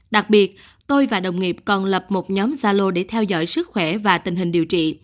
đặc biệt tôi và đồng nghiệp còn lập một nhóm gia lô để theo dõi sức khỏe và tình hình điều trị